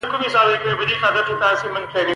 په افغانستان کې له تېرو څلويښتو کالو راهيسې.